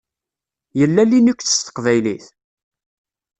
Yella Linux s teqbaylit?